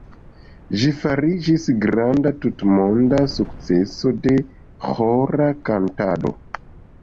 Ĝi fariĝis granda tutmonda sukceso de ĥora kantado.